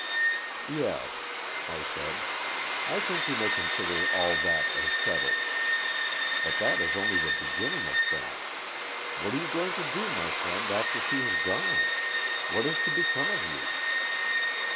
"Yes," I said. "I think you may con sider all that as settled. But that is only the beginning of things. What are you going to do, my friend, after she has gone? What is to become of you